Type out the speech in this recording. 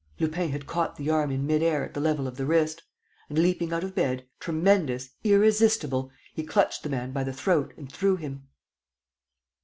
Lupin had caught the arm in mid air at the level of the wrist. ... And, leaping out of bed, tremendous, irresistible, he clutched the man by the throat and threw him.